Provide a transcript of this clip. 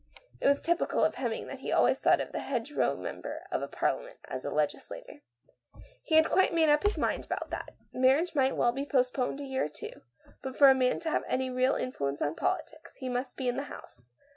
It was typical of Hemming that he always thought of the hedgerow member of Parliament as* a " legislator." He had quite made up his mind about that. Mar riage might well be postponed a year or two, but for a man to have any real influence on politics, he must be in the House.